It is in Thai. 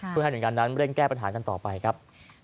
เพื่อให้หน่วยงานนั้นเร่งแก้ปัญหากันต่อไปครับ